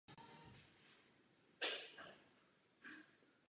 Mám na mysli vytvoření oblasti volného obchodu napříč oběma regiony.